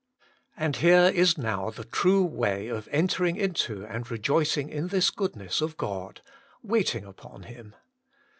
' And here is now the tru* way of entering into and rejoicing in this good ness of God — waiting upon Him.